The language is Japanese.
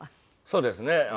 そうですね。